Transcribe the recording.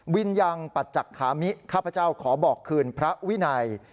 วิญญาณปัจจักขามิข้าพเจ้าขอบอกคืนพระวินัย